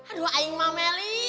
aduh aima melli